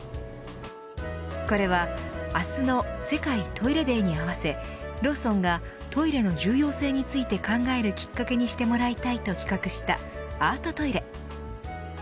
これは、明日の世界トイレデーに合わせローソンがトイレの重要性について考えるきっかけにしてもらいたいと企画したアートトイレ。